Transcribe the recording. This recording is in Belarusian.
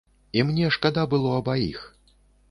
І мне шкада было абаіх.